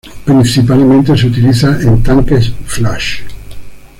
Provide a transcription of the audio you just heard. Principalmente se utiliza en tanques "flash".